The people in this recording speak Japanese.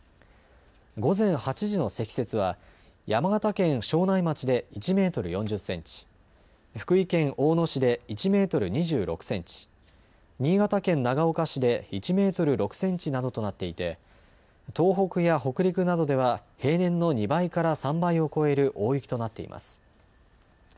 午前８時の積雪は山形県庄内町で１メートル４０センチ、福井県大野市で１メートル２６センチ、新潟県長岡市で１メートル６センチなどとなっていて東北や北陸などでは平年の２倍から３倍を超える大雪となっています。